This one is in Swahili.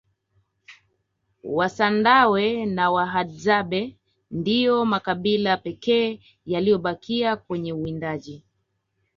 wasandawe na wahadzabe ndiyo makabila pekee yaliyobakia kwenye uwindaji